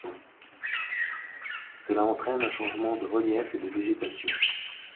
Cela entraîne un net changement de relief et de végétation.